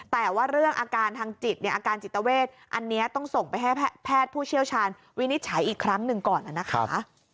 แต่ว่าเรื่องอาการทางจิตเนี่ยอาการจิตเวทอันนี้ต้องส่งไปให้แพทย์ผู้เชี่ยวชาญวินิจฉัยอีกครั้งหนึ่งก่อนนะคะ